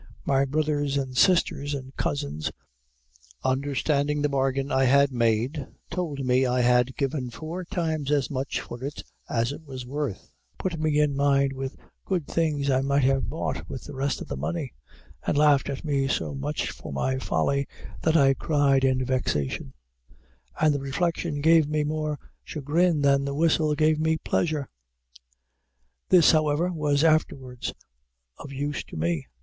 My brothers, and sisters, and cousins, understanding the bargain I had made, told me I had given four times as much for it as it was worth; put me in mind what good things I might have bought with the rest of the money; and laughed at me so much for my folly, that I cried with vexation; and the reflection gave me more chagrin than the whistle gave me pleasure.